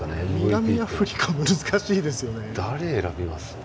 南アフリカも難しいですよね。